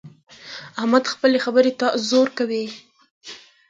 احمد خپلې خبرې ته زور کوي.